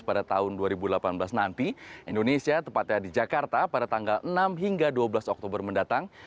pada tahun dua ribu delapan belas nanti indonesia tepatnya di jakarta pada tanggal enam hingga dua belas oktober mendatang